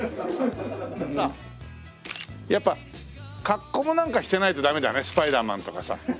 やっぱ格好もなんかしてないとダメだねスパイダーマンとかさ。